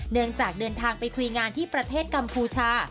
เนื่องจากเดินทางไปคุยงานที่ประเทศกัมพูชา